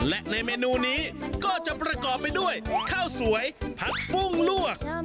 และในเมนูนี้ก็จะประกอบไปด้วยข้าวสวยผัดปุ้งลวก